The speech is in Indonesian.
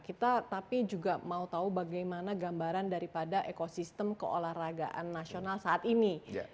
kita tapi juga mau tahu bagaimana gambaran daripada ekosistem keolahragaan nasional saat ini